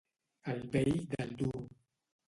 El vell del duro.